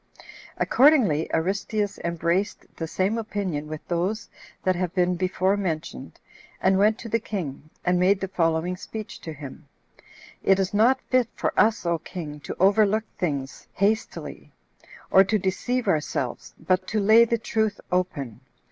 Accordingly Aristeus embraced the same opinion with those that have been before mentioned, and went to the king, and made the following speech to him: "It is not fit for us, O king, to overlook things hastily, or to deceive ourselves, but to lay the truth open.